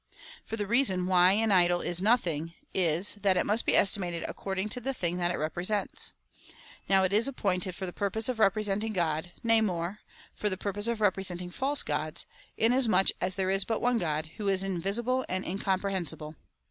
For the reason why an idol is nothing is, that it must be estimated according to the thing that it represents. Now it is appointed for the pur pose of representing God : nay more, for the pui pose of re presenting false gods, inasmuch as there is but one God, Avho is invisible and incomprehensible.